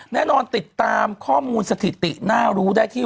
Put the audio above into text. แน่นอนติดตามข้อมูลสถิติน่ารู้ได้ที่